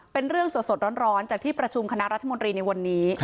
เป็นเรื่องสดร้อนจากที่ประชุมคณะรัฐมนตรีในวันนี้